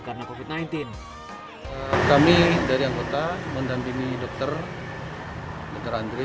karena kopi sembilan belas kami dari anggota menampilkan dokter dokter andri